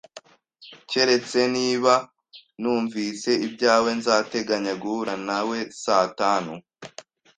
Keretse niba numvise ibyawe, nzateganya guhura nawe saa tanu.